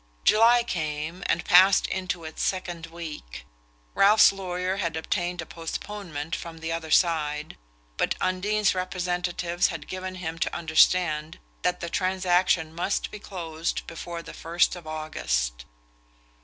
July came, and passed into its second week. Ralph's lawyer had obtained a postponement from the other side, but Undine's representatives had given him to understand that the transaction must be closed before the first of August.